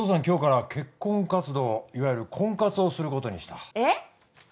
今日から結婚活動いわゆる婚活をすることにしたえっ？